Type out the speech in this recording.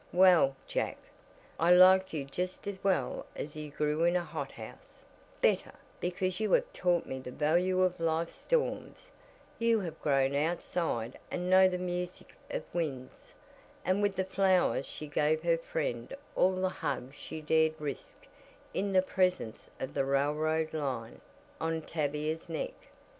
"Well Jack, I like you just as well as if you grew in a hot house better, because you have taught me the value of life's storms you have grown outside and know the music of the winds," and with the flowers she gave her friend all the hug she dared risk in the presence of the "railroad line" on Tavia's neck.